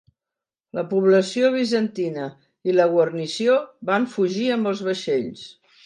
La població bizantina i la guarnició van fugir amb els vaixells.